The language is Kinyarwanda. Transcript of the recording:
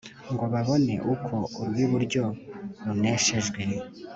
ngo babone ko urw'iburyo runeshejwe